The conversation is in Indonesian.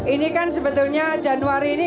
ini kan sebetulnya januari ini